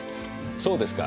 そうですか。